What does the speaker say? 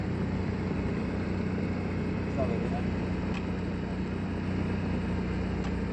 Ez da berea, anaiarena da.